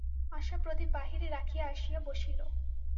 আশা প্রদীপ বাহিরে রাখিয়া আসিয়া বসিল।